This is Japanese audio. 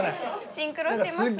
シンクロしてますね。